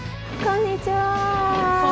こんにちは。